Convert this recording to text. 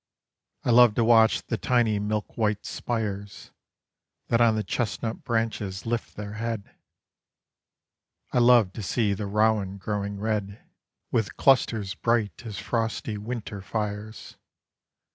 I love to watch the tiny milk white spires That on the chestnut branches lift their head; I love to see the rowan growing red With clusters bright as frosty winter fires.